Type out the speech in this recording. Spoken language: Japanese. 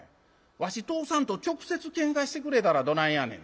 わし通さんと直接喧嘩してくれたらどないやねん。